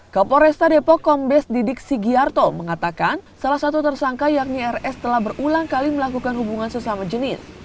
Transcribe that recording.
kapolresta depok kombes didik sigiarto mengatakan salah satu tersangka yakni rs telah berulang kali melakukan hubungan sesama jenis